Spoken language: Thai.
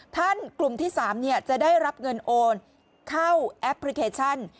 กลุ่มที่๓จะได้รับเงินโอนเข้าแอปพลิเคชัน